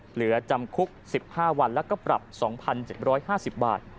เหลือจำคุก๑๕วันแล้วก็ปรับ๒๗๕๐บาท